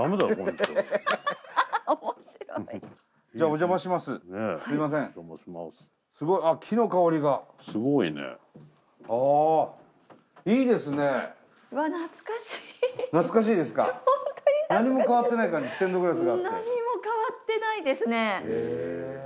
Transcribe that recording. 全く変わってないですね。